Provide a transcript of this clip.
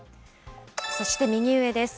そして右上です。